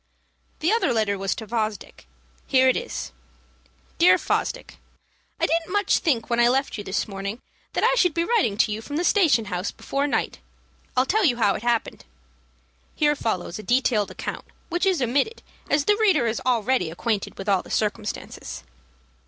_" The other letter was to Fosdick; here it is: "DEAR FOSDICK, I didn't much think when I left you this morning that I should be writing to you from the station house before night. I'll tell you how it happened." [Here follows a detailed account, which is omitted, as the reader is already acquainted with all the circumstances.